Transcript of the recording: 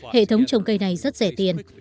hệ thống trồng cây này rất rẻ tiền